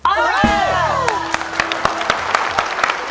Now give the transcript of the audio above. โอเค